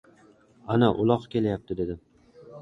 — Ana, uloq kelayapti! — dedi.